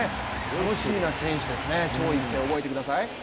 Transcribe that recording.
楽しみな選手ですね、張育成、覚えてください。